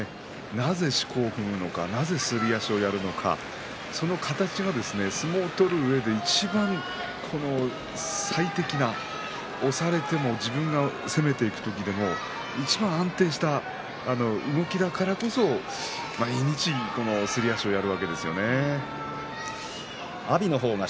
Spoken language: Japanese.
なぜしこを踏むのかなぜすり足をやるのかその形が相撲を取るうえでいちばん最適な、押されても自分が攻めていく時でもいちばん安定した動きだからこそすり足をやるわけですよね。